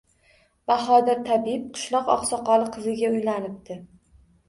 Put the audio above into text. Bahodir tabib qishloq oqsoqoli qiziga uylanibdi